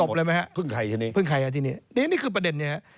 จบแล้วไหมครับพึ่งใครที่นี้นี่คือประเด็นนี้ครับ